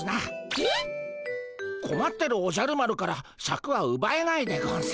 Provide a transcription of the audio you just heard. ピ？こまってるおじゃる丸からシャクはうばえないでゴンス。